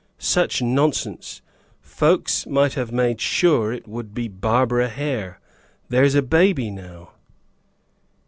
Such nonsense! Folks might have made sure it would be Barbara Hare. There's a baby now."